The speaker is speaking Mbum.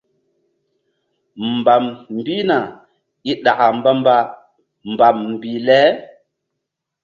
Mbam mbihna i ɗaka mbamba mbam mbih le.